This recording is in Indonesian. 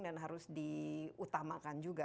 dan harus diutamakan juga